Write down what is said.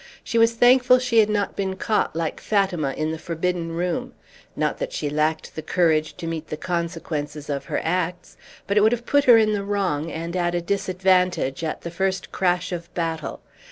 She was thankful she had not been caught like Fatima in the forbidden room; not that she lacked the courage to meet the consequences of her acts, but it would have put her in the wrong and at a disadvantage at the first crash of battle.